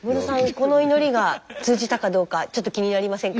この祈りが通じたかどうかちょっと気になりませんか？